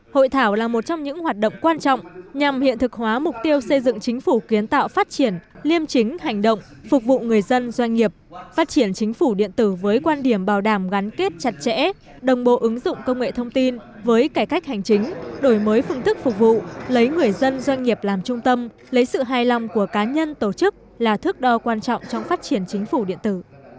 hội thảo là một trong những hoạt động quan trọng nhằm hiện thực hóa mục tiêu xây dựng chính phủ kiến tạo phát triển liêm chính hành động phục vụ người dân doanh nghiệp phát triển chính phủ điện tử với quan điểm bảo đảm gắn kết chặt chẽ đồng bộ ứng dụng công nghệ thông tin với cải cách hành chính đổi mới phương thức phục vụ lấy người dân doanh nghiệp làm trung tâm lấy sự hài lòng của cá nhân tổ chức là thước đo quan trọng trong phát triển chính phủ điện tử